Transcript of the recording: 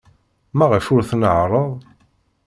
Maɣef ur tnehhṛeḍ?